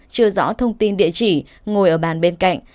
chưa rõ thông tin địa chỉ ngồi ở bàn bên cạnh